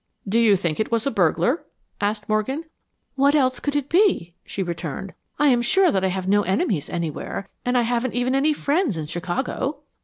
"Do you think it was a burglar?" asked Morgan. "What else could it be?" she returned. "I am sure that I have no enemies anywhere, and I haven't even any friends in Chicago."